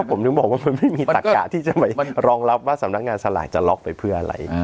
ผมถึงบอกว่ามันไม่มีตักกะที่จะไปรองรับว่าสำนักงานสลากจะล็อกไปเพื่ออะไร